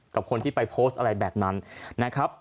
กับคนที่ไปโพสต์อะไรแบบนั้นนะครับ